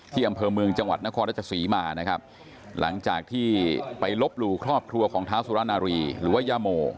อำเภอเมืองจังหวัดนครราชสีมานะครับหลังจากที่ไปลบหลู่ครอบครัวของเท้าสุรนารีหรือว่าย่าโม